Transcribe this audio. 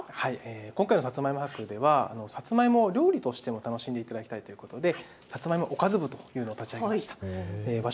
今回のさつまいも博ではさつまいもを料理としても楽しんでいただきたいということでさつまいもおかず部というのを立ち上げました。